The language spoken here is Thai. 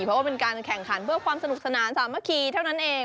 เพราะว่าเป็นการแข่งขันเพื่อความสนุกสนานสามัคคีเท่านั้นเอง